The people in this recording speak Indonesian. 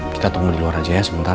kita tunggu di luar aja ya sebentar